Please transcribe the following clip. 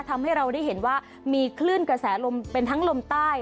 ทำให้เราได้เห็นว่ามีคลื่นกระแสลมเป็นทั้งลมใต้